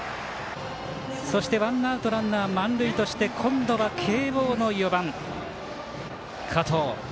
そしてワンアウトランナー満塁として今度は慶応の４番、加藤。